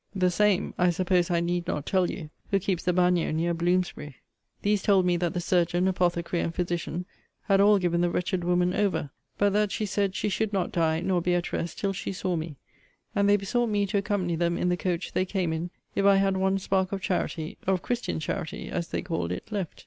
the same, I suppose I need not tell you, who keeps the bagnio near Bloomsbury. These told me that the surgeon, apothecary, and physician, had all given the wretched woman over; but that she said, she should not die, nor be at rest, till she saw me; and they besought me to accompany them in the coach they came in, if I had one spark of charity, of christian charity, as they called it, left.